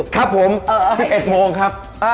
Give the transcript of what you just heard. ครับผม๑๑โมงครับ